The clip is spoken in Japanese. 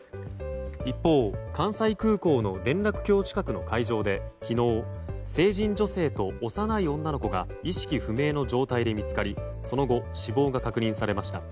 一方、関西空港の連絡橋近くの海上で昨日、成人女性と幼い女の子が意識不明の状態で見つかりその後死亡が確認されました。